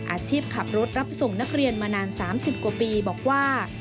อาชีพขับรถรับส่งนักเรียนมานาน๓๐กว่าปีบอกว่า